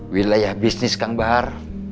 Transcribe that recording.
wilayah bisnis kang bahar